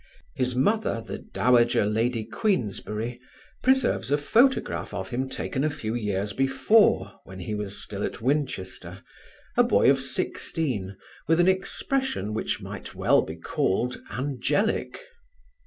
His mother, the Dowager Lady Queensberry, preserves a photograph of him taken a few years before, when he was still at Winchester, a boy of sixteen with an expression which might well be called angelic.